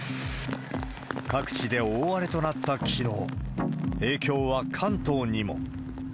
各地で大荒れとなったきのう、影響は関東にも。